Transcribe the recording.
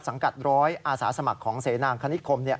กัดร้อยอาสาสมัครของเสนางคณิคม